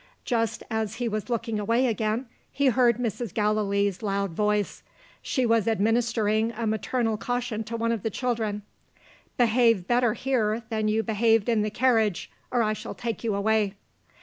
Just as he was looking away again, he heard Mrs. Gallilee's loud voice. She was administering a maternal caution to one of the children. "Behave better here than you behaved in the carriage, or I shall take you away."